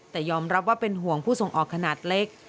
แต่ยอมรับว่าเป็นห่วงผู้ส่งออกขนาดเล็ก